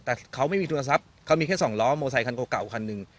แต่เขาไม่มีโทรศัพท์เขามีแค่สองล้อมอเซคันเก่าคันหนึ่ง